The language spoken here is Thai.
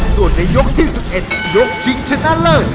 ส่วนในยกที่๑๑ยกชิงชนะเลิศ